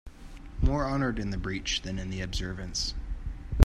More honored in the breach than in the observance